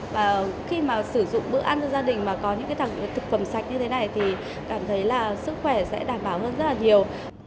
và khi mà sử dụng bữa ăn cho gia đình mà có những cái thực phẩm sạch như thế này thì cảm thấy là sức khỏe sẽ đảm bảo hơn rất là nhiều